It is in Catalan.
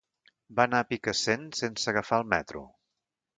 Va anar a Picassent sense agafar el metro.